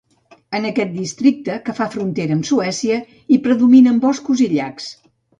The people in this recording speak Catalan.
En aquest districte, que fa frontera amb Suècia, hi predominen boscos i llacs.